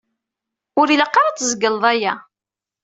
Ur ilaq ara ad tzegleḍ aya.